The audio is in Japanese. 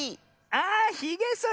あひげそりね。